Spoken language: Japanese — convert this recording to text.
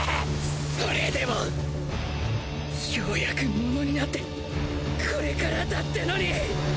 それでもようやくモノになってこれからだってのに！